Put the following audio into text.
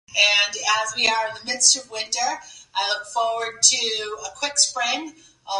Her writings attracted the attention of Ralph Waldo Emerson.